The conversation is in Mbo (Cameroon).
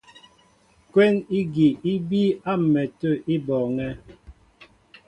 Kwɛ́n igi í bííy á m̀mɛtə̂ í bɔɔŋɛ́.